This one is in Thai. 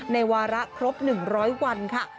ในวาระครบหนึ่งร้อยวันค่ะ